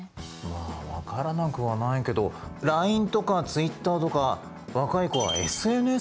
まあ分からなくはないけどＬＩＮＥとかＴｗｉｔｔｅｒとか若い子はＳＮＳを使ってるんだね。